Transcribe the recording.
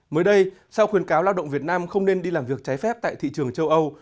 mới đây sau khuyến cáo lao động việt nam không nên đi làm việc trái phép tại thị trường châu âu